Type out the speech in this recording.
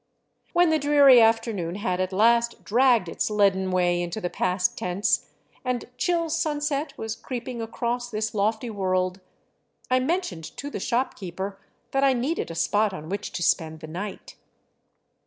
When the dreary afternoon had at last dragged its leaden way into the past tense and chill sunset was creeping across this lofty world, I mentioned to the shopkeeper that I needed a spot on which to spend the night.